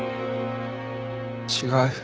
違う。